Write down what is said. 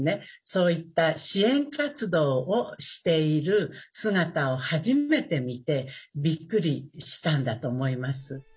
そういった支援活動をしている姿を初めて見てびっくりしたんだと思います。